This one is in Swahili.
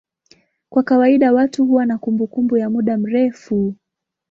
Kwa kawaida watu huwa na kumbukumbu ya muda mrefu.